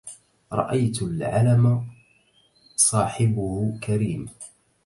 رأيت العلم صاحبه كريم